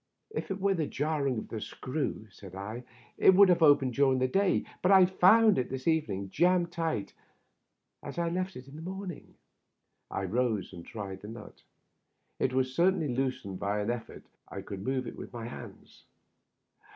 "If it were the jarring of the screw," said I, "it would have opened during the day ; but I found it this evening jambed tight as I left it this morning." I rose and tried the nut. It was certainly loosened, for by an effort I could move it with my hands.